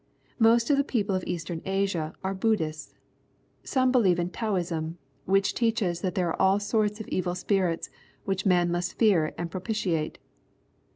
Most of the people of Eastern Asia are Buddhists. Some believe in Taoism, which teaches that there are all sorts of e\'il spirits wliich man must fear and propitiate.